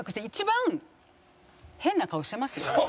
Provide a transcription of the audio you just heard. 一番変な顔してますよ。